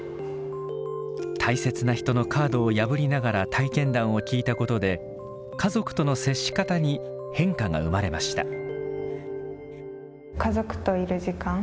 大切な人のカードを破りながら体験談を聞いたことで家族との接し方に変化が生まれました。